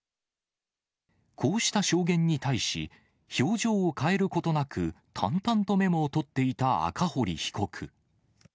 こうした証言に対し、表情を変えることなく、淡々とメモを取っていた赤堀被告。